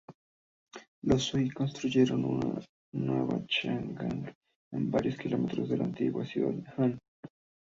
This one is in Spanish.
Los Sui construyeron una nueva Chang'an a varios kilómetros de la antigua ciudad Han.